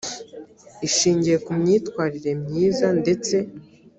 ishingiye ku myitwarire myiza ndetse